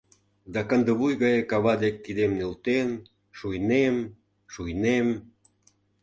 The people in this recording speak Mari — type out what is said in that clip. Да кандывуй гае кава дек кидем нӧлтен, шуйнем, шуйнем…